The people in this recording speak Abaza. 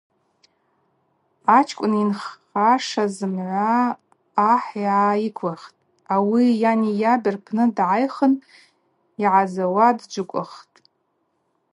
Ачкӏвын йынхаша зымгӏва ахӏ йгӏайыквиххтӏ, ауи йани йаби рпны дгӏайхын йыгӏзауа дджвыквылхтӏ.